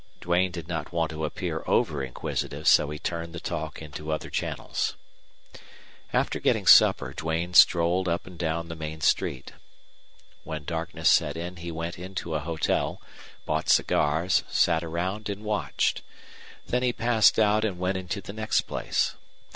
Duane did not want to appear over inquisitive, so he turned the talk into other channels. After getting supper Duane strolled up and down the main street. When darkness set in he went into a hotel, bought cigars, sat around, and watched. Then he passed out and went into the next place.